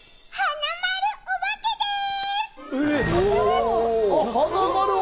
なまるおばけです！